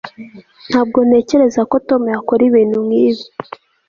ntabwo ntekereza ko tom yakora ibintu nkibi